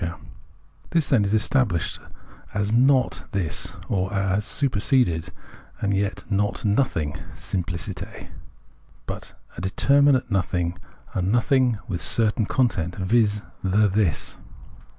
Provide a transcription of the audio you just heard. The This, then, is estabhshed as not This, or as super seded, and yet not nothing {simfliciter) , but a deter minate nothing, a nothing with a certain content, viz. the This.